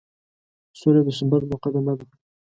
سوله د ثبات مقدمه ده.